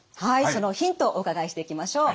そのヒントをお伺いしていきましょう。